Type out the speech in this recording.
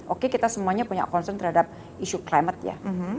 oke kita semuanya punya concern terhadap isu climate ya